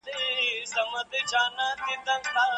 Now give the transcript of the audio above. آيا سانسور د ليکوال قلم ماتوي؟